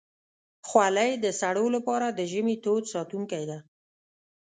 خولۍ د سړو لپاره د ژمي تود ساتونکی ده.